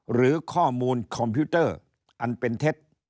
หรือข้อมูลคอมพิวเตอร์อันเป็นเท็จ